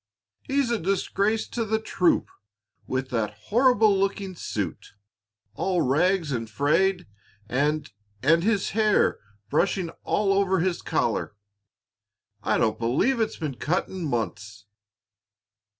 "He's a disgrace to the troop with that horrible looking suit, all rags and frayed, and and his hair brushing all over his collar; I don't believe it's been cut in months."